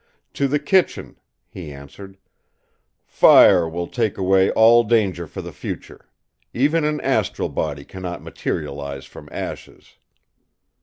"To the kitchen," he answered. "Fire will take away all danger for the future; even an astral body cannot materialise from ashes!"